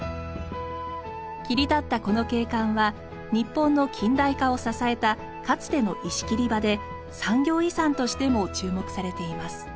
切り立ったこの景観は日本の近代化を支えたかつての石切り場で産業遺産としても注目されています。